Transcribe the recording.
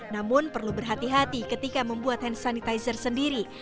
namun perlu berhati hati ketika membuat hand sanitizer sendiri